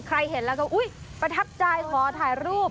เห็นแล้วก็อุ๊ยประทับใจขอถ่ายรูป